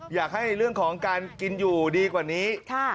อยากให้เรื่องของการกินอยู่ดีกว่านี้